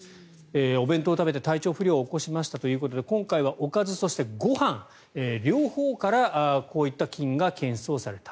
お弁当を食べて体調不良を起こしましたということで今回はおかずそしてご飯両方からこういった菌が検出された。